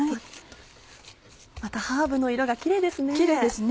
またハーブの色がキレイですね。